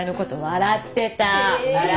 笑ってたね。